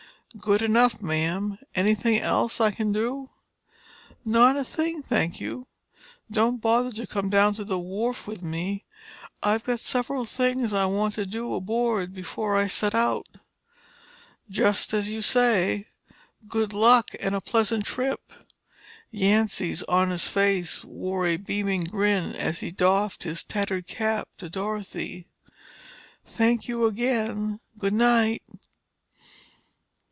"Good enough, Mam. Anything else I can do?" "Not a thing, thank you. Don't bother to come down to the wharf with me. I've got several things I want to do aboard before I set out." "Just as you say. Good luck and a pleasant trip." Yancy's honest face wore a beaming grin as he doffed his tattered cap to Dorothy. "Thank you again. Good night."